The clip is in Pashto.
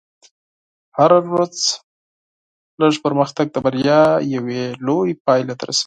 هره ورځ لږ پرمختګ د بریا یوې لوېې پایلې ته رسوي.